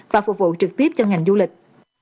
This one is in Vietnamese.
và phục vụ trực tiếp cho ngành du lịch